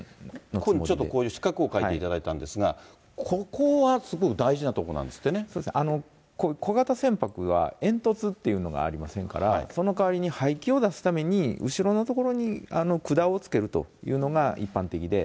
ちょっとこういう四角を描いていただいたんですが、ここはすごく小型船舶は煙突っていうのがありませんから、その代わりに排気を出すために、後ろの所に管を付けるというのが一般的で。